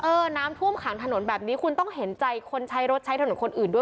น้ำท่วมขังถนนแบบนี้คุณต้องเห็นใจคนใช้รถใช้ถนนคนอื่นด้วย